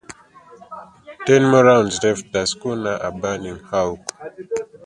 Ten more rounds left the schooner a burning hulk.